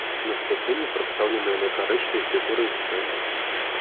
На скляпенні прадстаўлены алегарычныя фігуры і сцэны.